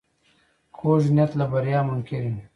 کوږ نیت له بریا منکر وي